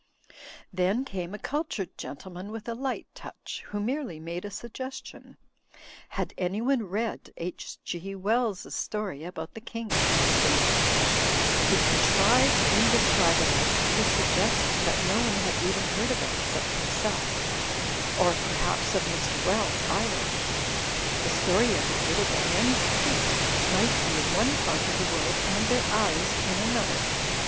Then came a cultured gentleman with a light touch, who merely made a suggestion. Had anyone read H. G. Wells's story about the kink in space? He con trived, indescribably, to suggest that no one had even heard of it except himself ; or, perhaps, of Mr. Wells either. The story indicated that men's feet might be in one part of the world and their eyes in another.